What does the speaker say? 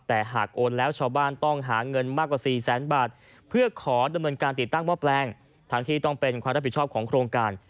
แต่หากโอนแล้วชาวบ้านต้องหาเงินมากกว่าสี่แสนบาทเพื่อขอดำเนินการติดตั้งหม้อแปลงทั้งที่ต้องเป็นความรับผิดชอบของโครงการ